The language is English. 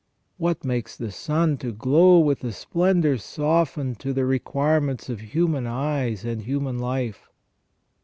What makes the sun to glow with a splendour softened to the requirements of human eyes and human life